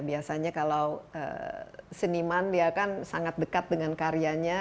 biasanya kalau seniman dia kan sangat dekat dengan karyanya